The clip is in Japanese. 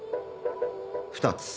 ２つ。